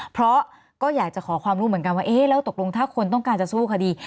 เพราะก็อยากจะขอความรู้เหมือนกันว่าเอ๊ะแล้วตกลงถ้าคนต้องการจะสู้คดี